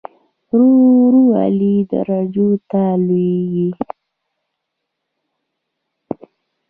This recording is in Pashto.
ورو ورو اعلی درجو ته لوړېږي.